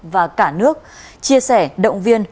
và cả nước chia sẻ động viên